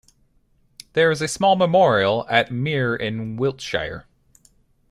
There is a small memorial at Mere in Wiltshire.